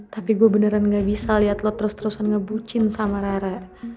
tapi gue beneran gak bisa lihat lo terus terusan ngebucin sama rara